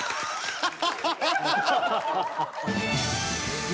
ハハハハ！